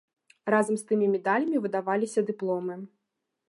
Разам з тымі медалямі выдаваліся дыпломы.